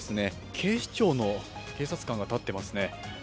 警視庁の警察官が立っていますね。